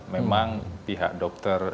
memang pihak dokter